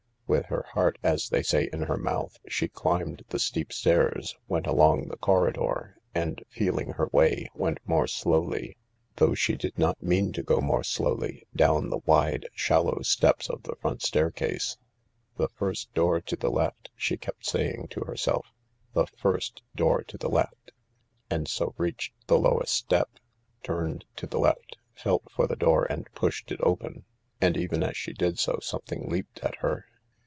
With her heart, as they say, in her mouth, she climbed the steep stairs, went along the corridor, and, feeling her way, went more 67 58 THE LARK slowly, though she did not mean to go more slowly, down the wide, shallow steps of the front staircase. "The first door to the left," she kept saying to herself, "The first door to the left." And so reached the lowest step, turned to the left, felt for the door and pushed it open. And, even as she did so, something leaped at her.